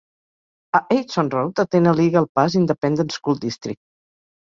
A Eidson Road atén el Eagle Pass Independent School District.